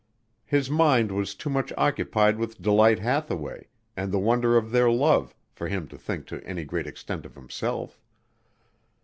His mind was too much occupied with Delight Hathaway and the wonder of their love for him to think to any great extent of himself.